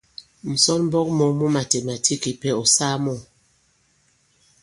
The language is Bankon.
Ǹsɔnmbɔk mɔ̄ŋ mu màtèmàtîk kìpɛ, ɔ̀ saa mɔ̂ ?